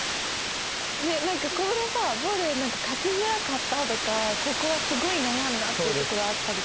ねっ何かこれさぼる書きづらかったとかここはすごい悩んだっていうところあったりする？